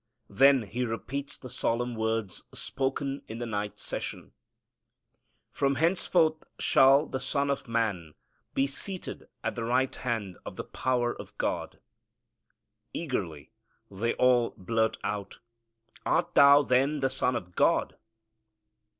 Then He repeats the solemn words spoken in the night session, "From henceforth shall the Son of Man be seated at the right hand of the power of God." Eagerly they all blurt out, "Art Thou then the Son of God?"